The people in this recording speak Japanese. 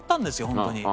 本当に。